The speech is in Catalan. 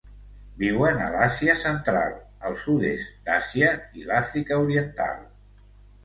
Viuen a l'Àsia Central, el sud-est d'Àsia i l'Àfrica Oriental.